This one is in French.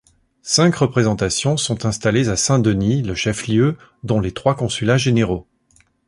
Cinq représentations sont installées à Saint-Denis, le chef-lieu, dont les trois consulats généraux.